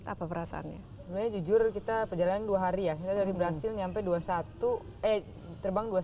apa perasaannya sebenarnya jujur kita perjalanan dua hari ya kita dari brazil nyampe dua puluh satu eh terbang dua puluh satu